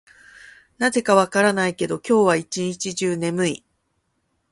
なぜか分からないけど、今日は一日中眠い。